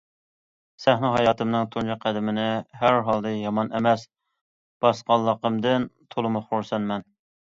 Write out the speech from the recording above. سەھنە ھاياتىمنىڭ تۇنجى قەدىمىنى ھەر ھالدا يامان ئەمەس باسقانلىقىمدىن تولىمۇ خۇرسەنمەن.